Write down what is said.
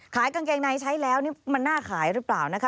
กางเกงในใช้แล้วนี่มันน่าขายหรือเปล่านะคะ